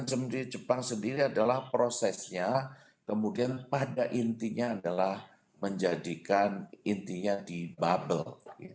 di jepang sendiri adalah prosesnya kemudian pada intinya adalah menjadikan intinya di bubble